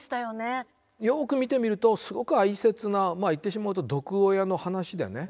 よく見てみるとすごく哀切な言ってしまうと毒親の話だよね。